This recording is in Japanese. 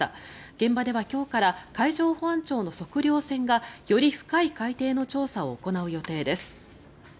現場では今日から海上保安庁の測量船がより深い海底の調査を行う予定です。